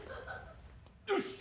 よし！